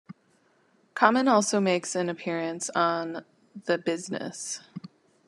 Common also makes an appearance on "The Bizness".